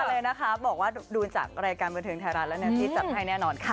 เลยนะคะบอกว่าดูจากรายการบันเทิงไทยรัฐแล้วเนี่ยพี่จัดให้แน่นอนค่ะ